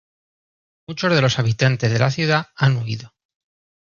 Muchos de los habitantes de la ciudad han huido.